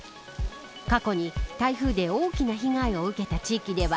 過去に台風で大きな被害を受けた地域では